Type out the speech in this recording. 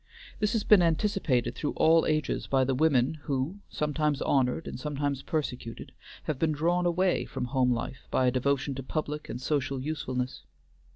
This has been anticipated through all ages by the women who, sometimes honored and sometimes persecuted, have been drawn away from home life by a devotion to public and social usefulness.